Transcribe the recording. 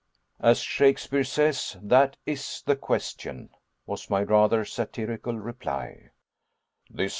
"As Shakespeare says, 'that is the question,"' was my rather satirical reply.